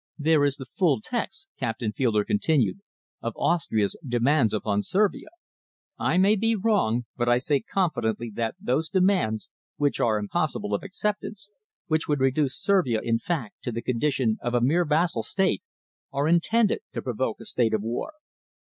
"There is the full text," Captain Fielder continued, "of Austria's demands upon Servia. I may be wrong, but I say confidently that those demands, which are impossible of acceptance, which would reduce Servia, in fact, to the condition of a mere vassal state, are intended to provoke a state of war."